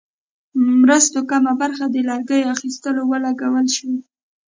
مرستو کمه برخه د لرګیو اخیستلو ولګول شوې.